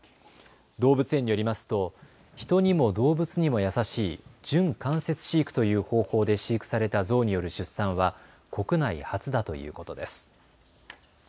動物園によりますと人にも動物にも優しい準間接飼育という方法で飼育されたゾウによる出産は国内初だということです。